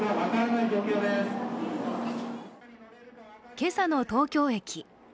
今朝の東京駅。